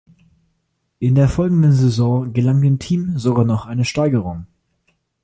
In der folgenden Saison gelang dem Team sogar noch eine Steigerung.